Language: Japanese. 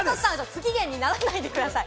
不機嫌にならないでください。